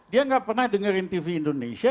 dia nggak pernah dengerin tv indonesia